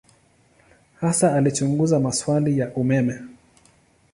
Hasa alichunguza maswali ya umeme.